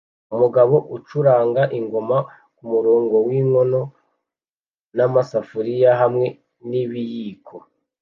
Umugabo ucuranga ingoma kumurongo winkono n'amasafuriya hamwe n'ibiyiko